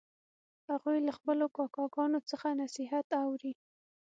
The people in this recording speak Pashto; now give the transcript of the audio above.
هغوی له خپلو کاکاګانو څخه نصیحت اوري